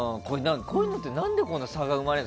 こういうのってなんでこんな差が生まれるの？